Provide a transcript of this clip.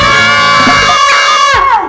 aduh cantik banget